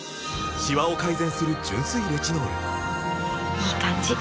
いい感じ！